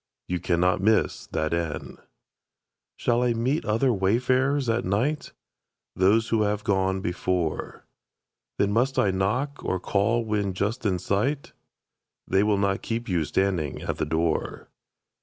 You cannot miss that inn. Shall I meet other wayfarers at night? Those who have gone before. Then must I knock, or call when just in sight? They will not keep you standing at that door.